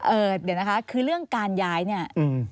เอ่อเดี๋ยวนะคะคือเรื่องการย้ายเนี่ย